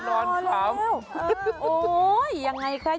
โอ้ยยังไงคะ